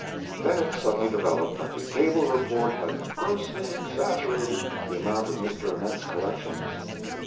Then it suddenly developed that the cable report had "grossly exaggerated" the amount of Mr. Ament's collections.